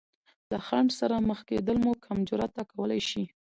له خنډ سره مخ کېدل مو کم جراته کولی شي.